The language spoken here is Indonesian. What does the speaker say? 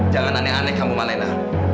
jangan aneh aneh kamu malena